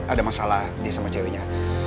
ada masalah dia sama ceweknya